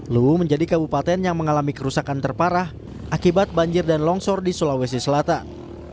luwu menjadi kabupaten yang mengalami kerusakan terparah akibat banjir dan longsor di sulawesi selatan